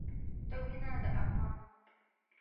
ته وينه د افغان